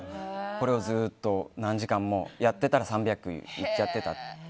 これをずっと何時間もやってたら３００いっちゃってたという。